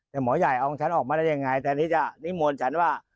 แต่หมอใหญ่เอาของฉันออกมาได้ยังไงแต่นี่โมนฉันว่า